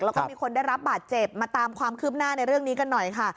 แล้วก็มีคนได้รับบาดเจ็บมาตามความคืบหน้าในเรื่องนี้กันหน่อยค่ะ